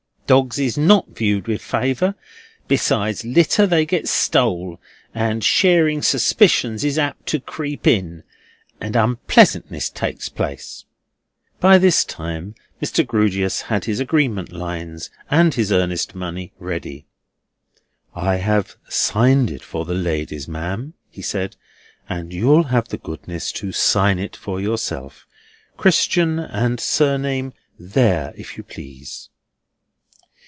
"Dogs is not viewed with favour. Besides litter, they gets stole, and sharing suspicions is apt to creep in, and unpleasantness takes place." By this time Mr. Grewgious had his agreement lines, and his earnest money, ready. "I have signed it for the ladies, ma'am," he said, "and you'll have the goodness to sign it for yourself, Christian and Surname, there, if you please."